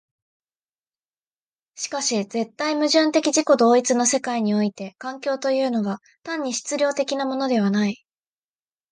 しかし絶対矛盾的自己同一の世界において環境というのは単に質料的なものではない。